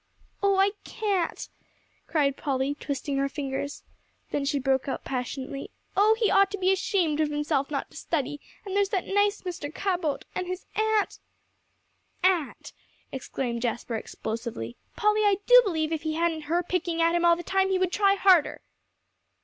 "Oh, I can't!" cried Polly, twisting her fingers. Then she broke out passionately, "Oh, he ought to be ashamed of himself not to study; and there's that nice Mr. Cabot, and his aunt " "Aunt!" exclaimed Jasper explosively. "Polly, I do believe if he hadn't her picking at him all the time, he would try harder."